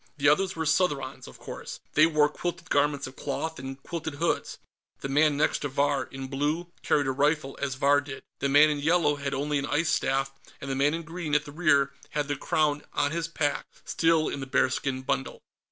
The others were Southrons, of course; they wore quilted garments of cloth, and quilted hoods. The man next to Vahr, in blue, carried a rifle, as Vahr did. The man in yellow had only an ice staff, and the man in green, at the rear, had the Crown on his pack, still in the bearskin bundle.